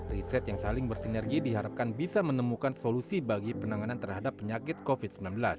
riset yang saling bersinergi diharapkan bisa menemukan solusi bagi penanganan terhadap penyakit covid sembilan belas